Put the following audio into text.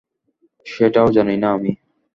সেটাও জানি না আমি!